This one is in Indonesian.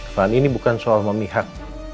bahan ini bukan soal memihak